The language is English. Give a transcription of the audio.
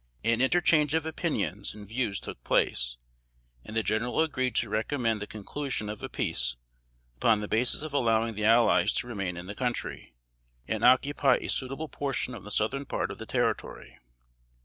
An interchange of opinions and views took place, and the General agreed to recommend the conclusion of a peace upon the basis of allowing the allies to remain in the country, and occupy a suitable portion of the southern part of the Territory.